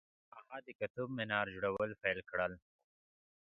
هغه د قطب منار جوړول پیل کړل.